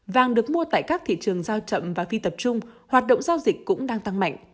vàng được mua tại các thị trường giao chậm và phi tập trung hoạt động giao dịch cũng đang tăng mạnh